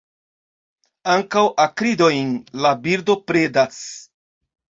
Ankaŭ akridojn la birdo predas.